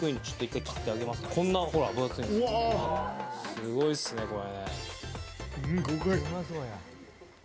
すごいっすよ、これ。